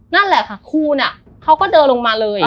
นั่นแหละค่ะครูเนี่ยเขาก็เดินลงมาเลย